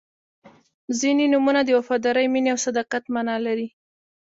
• ځینې نومونه د وفادارۍ، مینې او صداقت معنا لري.